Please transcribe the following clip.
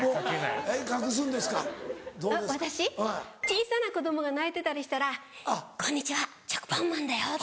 小さな子供が泣いてたりしたら「こんにちはしょくぱんまんだよ。